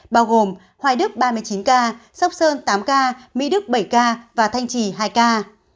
bao gồm hoài đức ba mươi chín ca sóc sơn tám ca mỹ đức bảy ca và thanh trì hai ca